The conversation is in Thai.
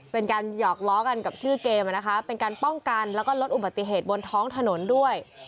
เป็นการหยอกล้อกันกับชื่อเกมนะคะเป็นการป้องกันแล้วก็ลดอุบัติเหตุบนท้องถนนด้วย